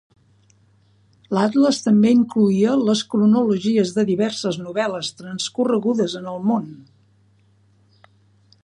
L'atles també incloïa les cronologies de diverses novel·les transcorregudes en el món.